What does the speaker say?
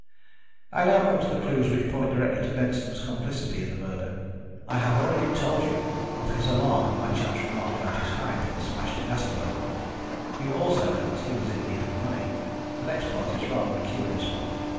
"I now come to the clues which point directly to Benson's complicity in the murder. I have already told you of his alarm at my chance remark about his height and the smashed gas globe. You also know that he was in need of money. The next point is rather a curious one.